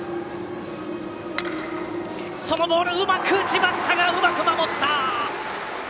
そのボールをうまく打ちましたがうまく守った！